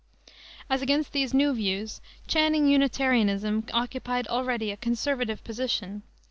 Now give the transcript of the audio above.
As against these new views Channing Unitarianism occupied already a conservative position.